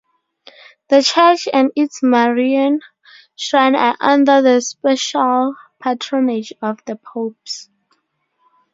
The church and its Marian shrine are under the special patronage of the popes.